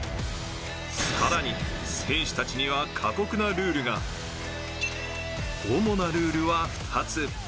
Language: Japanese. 更に選手たちには過酷なルールが主なルールは２つ。